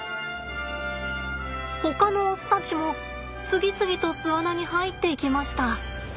ほかのオスたちも次々と巣穴に入っていきました。